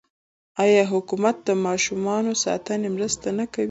آیا حکومت د ماشوم ساتنې مرسته نه کوي؟